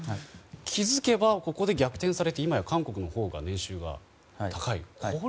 気づけばここで逆転されて今や韓国のほうが年収が高い。